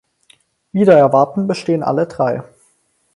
Wider Erwarten bestehen alle drei.